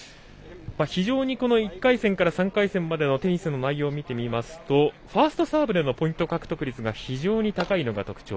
非常に１回戦から３回戦までのテニスの内容を見てみますとファーストサーブでのポイント獲得率が非常に高いのが特徴。